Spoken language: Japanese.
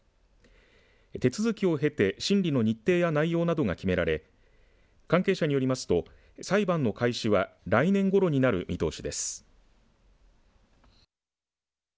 手続きを経て審理の日程や内容などが決められ関係者によりますと裁判の開始は来年ごろになる見通しです。